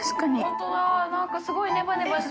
本当だ何かすごいネバネバして。